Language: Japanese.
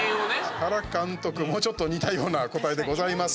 原監督も、ちょっと似たような答えでございます。